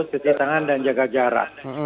cuci tangan dan jaga jarak